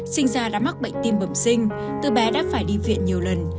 sinh ra đã mắc bệnh tim bẩm sinh từ bé đã phải đi viện nhiều lần